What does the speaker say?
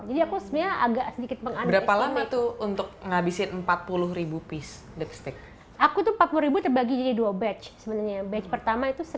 jadi kita sudah menjual dua puluh pieces